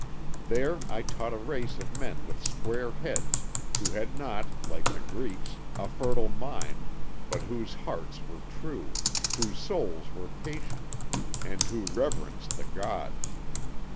There I taught a race of men with square heads, who had not, like the Greeks, a fertile mind, but whose hearts were true, whose souls were patient, and who reverenced the gods.